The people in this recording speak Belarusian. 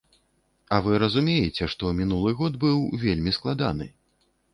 А вы разумееце, што мінулы год быў вельмі складаны.